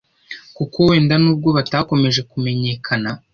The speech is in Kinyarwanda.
kuko wenda nubwo batakomeje kumenyekana